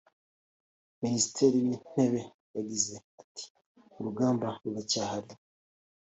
Minisitiri w’Intebe yagize ati “Urugamba ruracyahari